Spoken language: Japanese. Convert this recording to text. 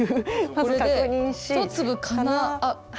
これで１粒かな。